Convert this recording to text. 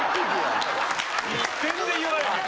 全然言われへん。